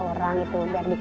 orang orang yang susik